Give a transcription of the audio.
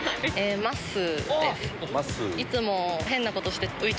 まっすー。